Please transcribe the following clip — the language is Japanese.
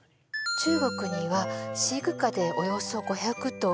中国には飼育下でおよそ５００頭